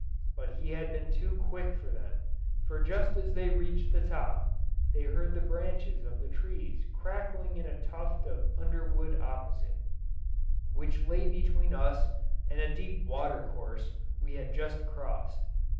But he had been too quick for them, for just as they reached the top, they heard the branches of the trees crackling in a tuft of underwood opposite, which lay between us and a deep water course we had just crossed.